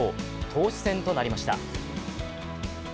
投手戦となりました。